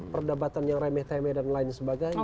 perdebatan yang remeh temeh dan lain sebagainya